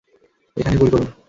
এখানে গুলি করুন!